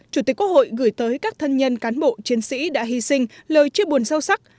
chủ tịch quốc hội gửi tới các thân nhân cán bộ chiến sĩ đã hy sinh lời chia buồn sâu sắc